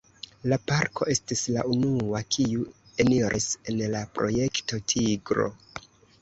La parko estis la unua kiu eniris en la Projekto Tigro.